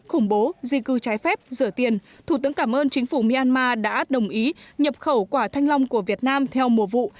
khủng bố di cư trái phép rửa tiền thủ tướng cảm ơn chính phủ myanmar đã đồng ý nhập khẩu quả thanh long của việt nam theo mùa vụ